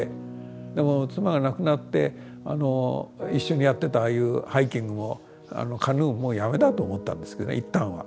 でも妻が亡くなって一緒にやってたああいうハイキングもカヌーももうやめだと思ったんですけどね一旦は。